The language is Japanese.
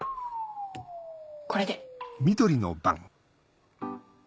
これで。